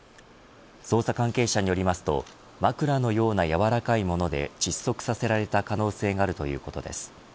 捜査関係者によりますと枕のような柔らかいもので窒息させられた可能性があるということです。